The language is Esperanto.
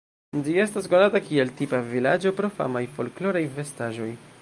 Ĝi estas konata kiel tipa vilaĝo pro famaj folkloraj vestaĵoj.